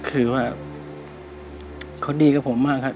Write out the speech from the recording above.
คือว่าเขาดีกับผมมากครับ